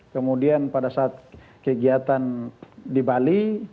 kemudian pada saat kegiatan di bali